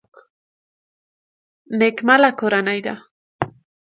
نيمکله کورنۍ ده.